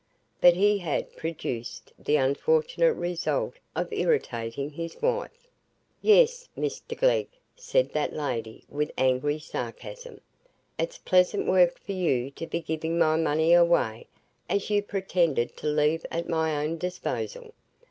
But he had produced the unfortunate result of irritating his wife. "Yes, Mr Glegg!" said that lady, with angry sarcasm. "It's pleasant work for you to be giving my money away, as you've pretended to leave at my own disposal.